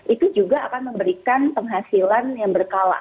itu juga akan memberikan penghasilan yang berkala